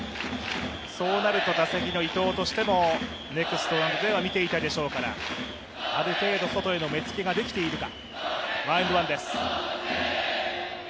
そうなると打席の伊藤としても、ネキストなどで見ているでしょうから、ある程度、外への目付けができているか。